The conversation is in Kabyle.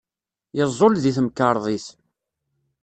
Yeẓẓul deg temkarḍit.